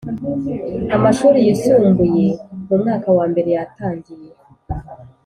amashuri yisumbuye mu mwaka wa mbere yatangiye